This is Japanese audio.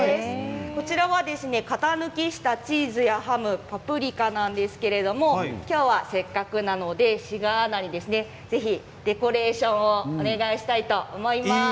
こちらは型抜きしたチーズやハムパプリカなんですけれどもきょうは、せっかくなので志賀アナにぜひデコレーションをお願いしたいと思います。